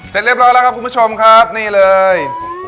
เสร็จเรียบร้อยแล้วครับคุณผู้ชมครับนี่เลย